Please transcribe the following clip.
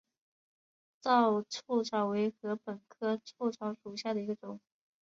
糙臭草为禾本科臭草属下的一个种。